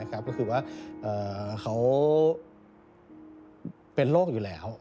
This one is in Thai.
ก็คือว่าเขาเป็นโรคอยู่แล้ว